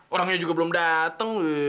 orangnya juga belum dateng lho